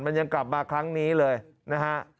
มันยังกลับมาครั้งนี้เลยนะฮะ